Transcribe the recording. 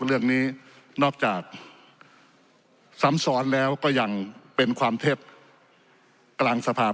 เรื่องนี้นอกจากสำสรณแล้วก็ยังเป็นความเท็จสภาผู้